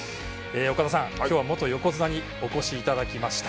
岡田さん、今日は元横綱にお越しいただきました。